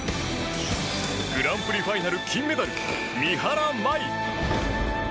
グランプリファイナル金メダル三原舞依。